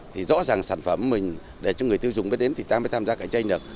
thì rõ ràng sản phẩm mình để cho người tiêu dùng biết đến thì ta mới tham gia cạnh tranh được